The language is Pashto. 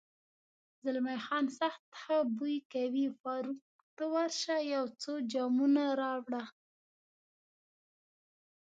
زلمی خان: سخت ښه بوی کوي، فاروق، ته ورشه یو څو جامونه راوړه.